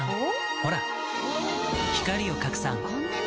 ほら光を拡散こんなに！